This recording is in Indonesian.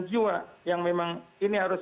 jiwa yang memang ini harus